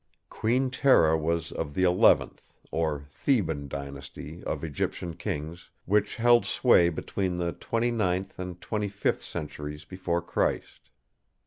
"Queen Tera was of the Eleventh, or Theban Dynasty of Egyptian Kings which held sway between the twenty ninth and twenty fifth centuries before Christ.